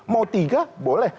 mau tiga boleh